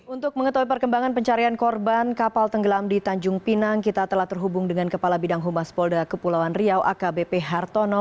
untuk mengetahui perkembangan pencarian korban kapal tenggelam di tanjung pinang kita telah terhubung dengan kepala bidang humas polda kepulauan riau akbp hartono